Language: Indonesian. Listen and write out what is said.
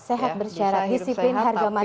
sehat bersyarat disiplin harga mati